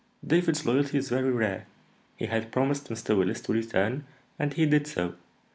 "David's loyalty is very rare: he had promised Mr. Willis to return, and he did so.